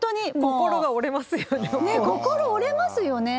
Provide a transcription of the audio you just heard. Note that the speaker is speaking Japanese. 心が折れますよね。